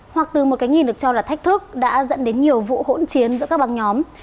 hoặc từ một cái nhìn được cho là thách thức đã dẫn đến nhiều vụ hỗn chiến giữa các băng nhóm